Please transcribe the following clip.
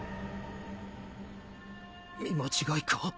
見間違いか？